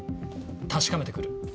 確かめて来る。